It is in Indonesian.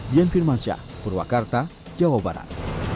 dian firmansyah purwakarta jawa barat